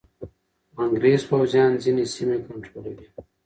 انګریز پوځیان ځینې سیمې کنټرولوي.